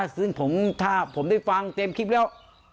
ซึ่งถ้าผมได้ฟังเต็มคลิปแล้ว